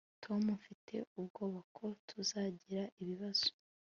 tom, mfite ubwoba ko tuzagira ibibazo